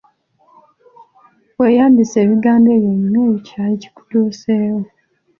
Weeyambise ebigambo ebyo onyumye ekyali kituuseewo.